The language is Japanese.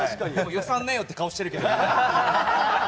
予算ねえよって顔しているけど。